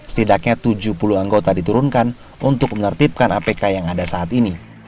setidaknya tujuh puluh anggota diturunkan untuk menertibkan apk yang ada saat ini